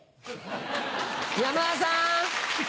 山田さん！